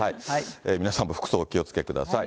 皆さんも服装お気をつけください。